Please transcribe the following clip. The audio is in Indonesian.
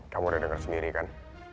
kamu udah dengar sendiri kan